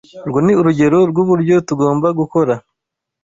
Urwo ni urugero rw’uburyo tugomba gukora